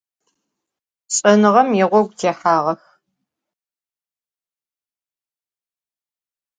Ş'enığem yiğogu têhağex.